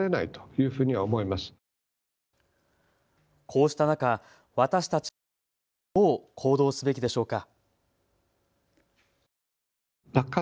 こうした中、私たちは今どう行動すべきでしょうか。